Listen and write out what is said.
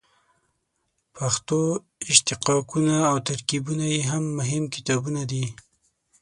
پښتو اشتقاقونه او ترکیبونه یې هم مهم کتابونه دي.